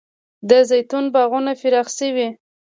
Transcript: د زیتون باغونه پراخ شوي؟